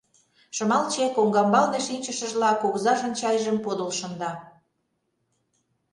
— Шымалче, коҥгамбалне шинчышыжла, кугызажын чайжым подыл шында.